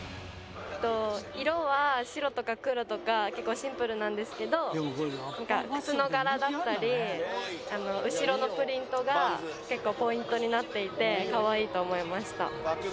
色は白とか黒とか結構シンプルなんですけどなんか靴の柄だったり後ろのプリントが結構ポイントになっていて可愛いと思いました。